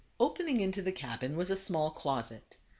Opening into the cabin was a small closet.